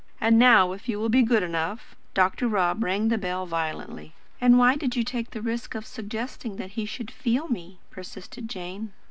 And now, if you will be good enough " Dr. Rob rang the bell violently. "And why did you take the risk of suggesting that he should feel me?" persisted Jane.